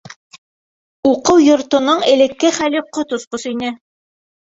— Уҡыу йортоноң элекке хәле ҡот осҡос ине.